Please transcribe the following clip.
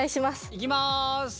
いきます。